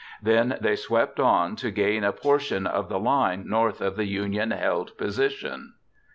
Then they swept on to regain a portion of the line north of the Union held position.